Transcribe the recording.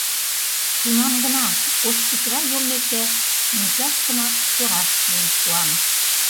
Тунам гына, ош тӱтыра йоммеке, Мучашдыме тораш миен шуам.